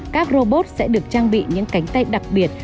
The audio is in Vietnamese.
các robot sẽ được trang bị những cánh tay đặc biệt